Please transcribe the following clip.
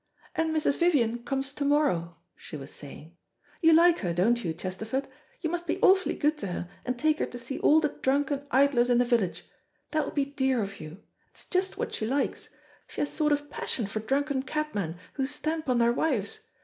"And Mrs. Vivian comes to morrow," she was saying. "You like her, don't you, Chesterford? You must be awfully good to her, and take her to see all the drunken idlers in the village. That will be dear of you. It's just what she likes. She has sort of passion for drunken cabmen, who stamp on their wives.